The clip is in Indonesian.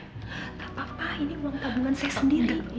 tidak apa apa ini uang tabungan saya sendiri